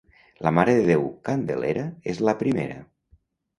La Mare de Déu Candelera és la primera.